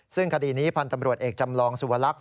ซึ่งคดีนี้พันธ์ตำรวจเอกจำลองสุวรรค